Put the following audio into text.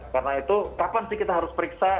karena itu kapan sih kita harus periksa